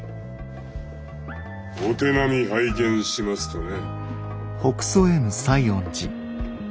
「お手並み拝見します」とね。